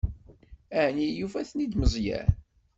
Ɛni yufa-ten-id Meẓyan?